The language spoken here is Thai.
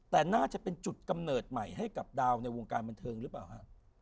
แต่น่าจะเป็นจุดกำเนิดใหม่ให้กับดาวในวงการบันเทิงหรือเปล่าฮะ